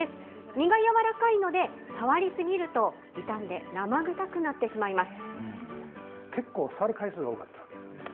身が柔らかいので、触り過ぎると傷んで生臭くなってしまいます。